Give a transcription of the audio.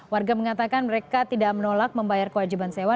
warga mengatakan mereka tidak menolak membayar kewajiban sewa